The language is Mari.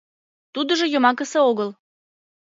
Тудыжо йомакысе огыл.